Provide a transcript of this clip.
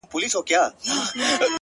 دوى ما اوتا نه غواړي”